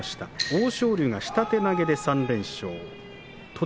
欧勝竜が下手投げで３連勝。